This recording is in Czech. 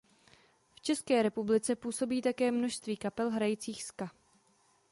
V České republice působí také množství kapel hrajících ska.